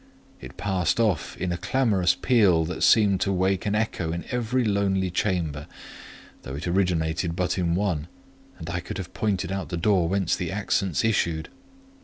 It passed off in a clamorous peal that seemed to wake an echo in every lonely chamber; though it originated but in one, and I could have pointed out the door whence the accents issued.